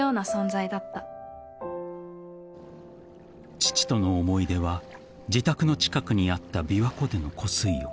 ［父との思い出は自宅の近くにあった琵琶湖での湖水浴］